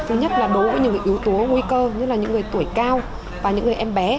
thứ nhất là đối với những yếu tố nguy cơ như là những người tuổi cao và những người em bé